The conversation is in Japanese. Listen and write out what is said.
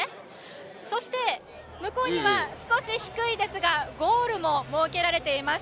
そして、向こうには少し低いですがゴールも設けられています。